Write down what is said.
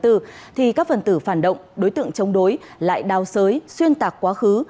thì các phần tử phản động đối tượng chống đối lại đào sới xuyên tạc quá khứ